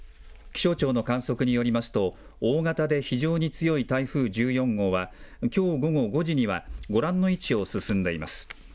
気象庁の観測によりますと、大型で非常に強い台風１４号は、きょう午後５時にはご覧の位置を進んでいます。